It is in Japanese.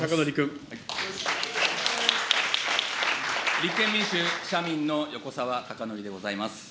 立憲民主・社民の横沢高徳でございます。